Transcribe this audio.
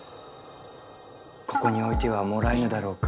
ここに置いてはもらえぬだろうか。